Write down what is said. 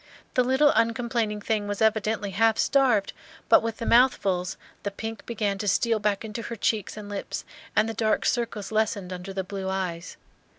The little uncomplaining thing was evidently half starved, but with the mouthfuls the pink began to steal back into her cheeks and lips, and the dark circles lessened under the blue eyes.